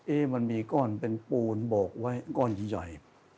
มันมีก้อนเป็นปูนโบกไว้ก้อนใหญ่